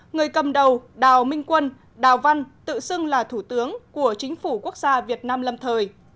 người cầm đầu đào minh quân đào văn tự xưng là thủ tướng của chính phủ quốc gia việt nam lâm thời